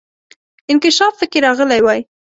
انکشاف پکې راغلی وای.